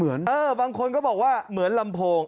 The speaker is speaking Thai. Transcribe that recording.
บางคนก็บอกว่าเหมือนลำโพง